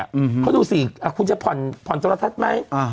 อืมเขาดูสี่อ่ะคุณจะผ่อนผ่อนตัวละทัศน์ไหมอ่า